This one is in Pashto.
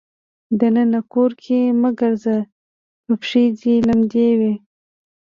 د ننه کور کې مه ګرځه که پښې دې لمدې وي.